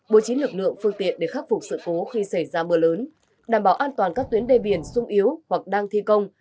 bố trí lực lượng phương tiện để khắc phục sự cố khi xảy ra mưa lớn đảm bảo an toàn các tuyến đê biển sung yếu hoặc đang thi công